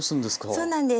そうなんです。